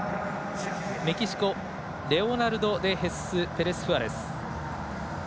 メキシコのレオナルドデヘスス・ペレスフアレス。